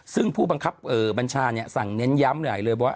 ซึ่งผู้บังคับบัญชาสั่งเน้นย้ำหลายเลยว่า